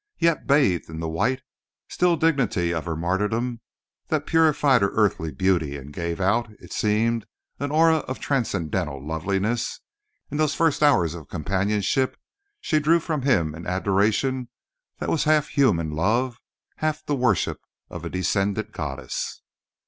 Yet bathed in the white, still dignity of her martyrdom that purified her earthly beauty and gave out, it seemed, an aura of transcendent loveliness, in those first hours of companionship she drew from him an adoration that was half human love, half the worship of a descended goddess.